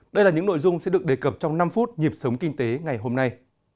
đây là những nội dung sẽ được đề cập trong năm phút nhịp sống kinh tế ngày hôm nay